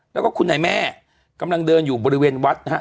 แล้วก็คุณนายแม่กำลังเดินอยู่บริเวณวัดนะฮะ